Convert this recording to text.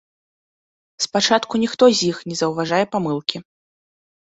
Спачатку ніхто з іх не заўважае памылкі.